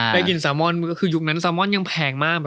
ได้กินซาโมนมื้อคือยุคนั้นซาโมนยังแพงมาก